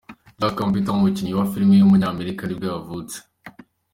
Jack Carpenter, umukinnyi wa film w’umunyamerika nibwo yavutse.